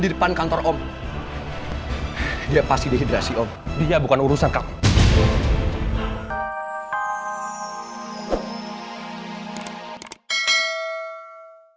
itu ya bukan urusan kamu